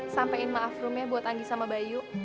sampein maaf rumnya buat anggi sama bayu